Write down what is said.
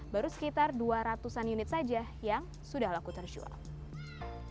baru sekitar dua ratus an unit saja yang sudah laku terjual